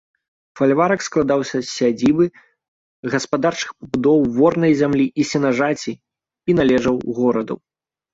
Фальварак складаўся з сядзібы, гаспадарчых пабудоў, ворнай зямлі і сенажаці і належаў гораду.